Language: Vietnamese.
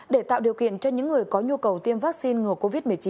để tạo điều kiện cho những người có nhu cầu tiêm vaccine ngừa covid một mươi chín